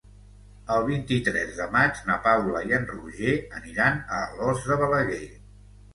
El vint-i-tres de maig na Paula i en Roger aniran a Alòs de Balaguer.